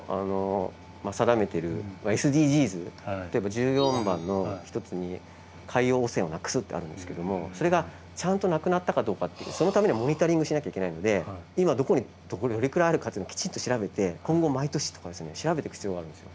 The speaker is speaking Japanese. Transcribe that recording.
１４番の一つに海洋汚染をなくすってあるんですけどもそれがちゃんとなくなったかどうかってそのためにはモニタリングしなきゃいけないので今どこにどれくらいあるかっていうのをきちんと調べて今後毎年とか調べていく必要があるんですよ。